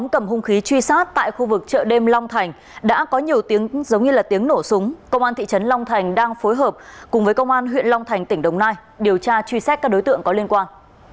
cầm hung khí truy sát tại khu vực chợ đêm long thành đã có nhiều tiếng giống như là tiếng nổ súng công an thị trấn long thành đang phối hợp cùng với công an huyện long thành tỉnh đồng nai điều tra truy xét các đối tượng có liên quan